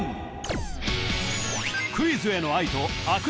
クイズへの愛と飽く